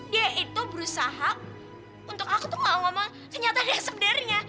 dia itu berusaha untuk aku tuh gak ngomong kenyataannya sebenarnya